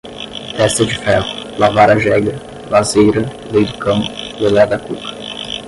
testa de ferro, lavar a jega, lazeira, lei do cão, lelé da cuca